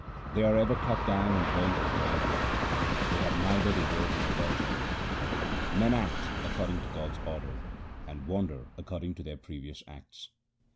They are ever cut down and burnt as dry wood; they have neither the Word nor God's name. Men act according to God's order and wander according to their previous acts.